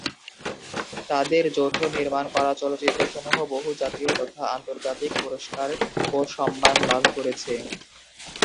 তাঁদের যৌথ নির্মাণ করা চলচ্চিত্রসমূহ বহু জাতীয় তথা আন্তর্জাতিক পুরস্কার এবং সম্মান লাভ করেছে।